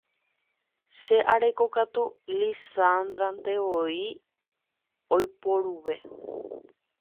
che areko katu Lizandrantevoi oiporuve